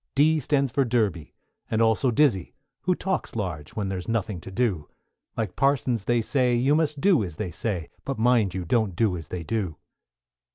=D= stands for Derby, and also Dizzey, Who talks large when there's nothing to do; Like parsons they say, you must do as they say, But, mind you, don't do as they do.